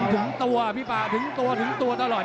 ถึงตัวพี่ป่าถึงตัวถึงตัวตลอด